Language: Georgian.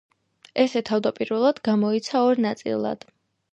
ესე თავდაპირველად გამოიცა ორ ნაწილად.